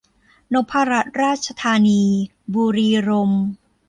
นพรัตน์ราชธานี บุรีรมย์